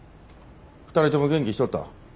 ２人とも元気しとった？